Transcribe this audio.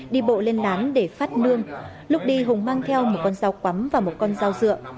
đi bộ lên lán để phát nương lúc đi hùng mang theo một con rau quắm và một con rau dựa